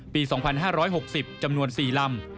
ปี๒๕๖๐จำนวน๔ลำ